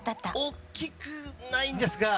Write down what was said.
おっきくないんですが。